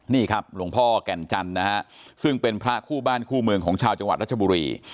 นี่ครับหลวงพ่อแก่นจันทร์นะฮะซึ่งเป็นพระคู่บ้านคู่เมืองของชาวจังหวัดรัชบุรี